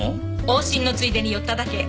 往診のついでに寄っただけ。